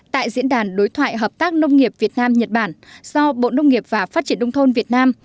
tại diễn đàn đối thoại hợp tác nông nghiệp việt nam nhật bản do bộ nông nghiệp và phát triển nông thôn việt nam